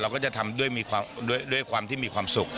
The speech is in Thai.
ก็จะทำด้วยความที่มีความสุข